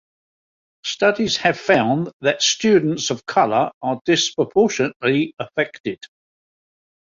Studies have found that students of color are disproportionately affected.